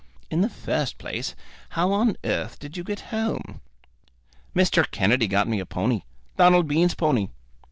In the first place, how on earth did you get home?" "Mr. Kennedy got me a pony, Donald Bean's pony."